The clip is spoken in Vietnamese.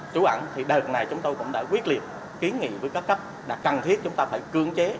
chú ẩn thì đợt này chúng tôi cũng đã quyết liệt kiến nghị với các cấp là cần thiết chúng ta phải cương chế